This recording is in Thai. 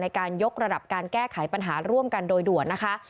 ในการยกระดับการแก้ไขปัญหาร่วมกันโดยด่วนนะคะ